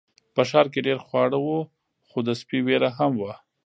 په ښار کې ډیر خواړه وو خو د سپي ویره هم وه.